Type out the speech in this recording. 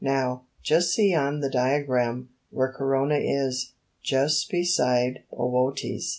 Now, just see on the diagram where Corona is, just beside Bootes.